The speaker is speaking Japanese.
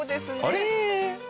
あれ？